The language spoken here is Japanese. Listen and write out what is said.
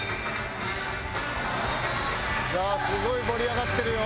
さあすごい盛り上がってるよ。